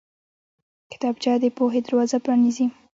کتابچه د پوهې دروازه پرانیزي